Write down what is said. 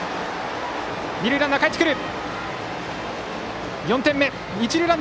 二塁ランナーかえってくる。